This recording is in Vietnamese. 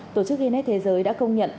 tổ chức guinness thế giới đã công nhận